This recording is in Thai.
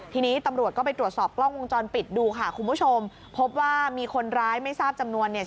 ทีนี้ตำรวจก็ไปตรวจสอบกล้องวงจรปิดดูค่ะคุณผู้ชมพบว่ามีคนร้ายไม่ทราบจำนวนเนี่ย